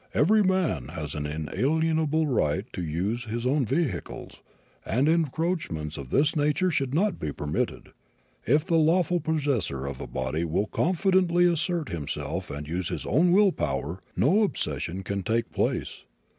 Every man has an inalienable right to the use of his own vehicles, and encroachments of this nature should not be permitted. If the lawful possessor of the body will confidently assert himself and use his own willpower no obsession can take place.